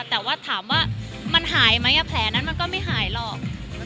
แต่ถามมันหายไหมอะแผลนั้นมันก็ไม่หายหรอก